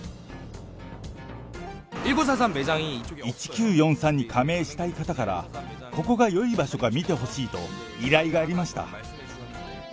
１９４３に加盟したい方から、ここがよい場所か見てほしいと、依頼がありました。